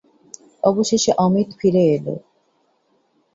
অবশেষে অমিত ফিরে এল।